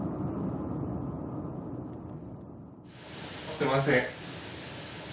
すみません。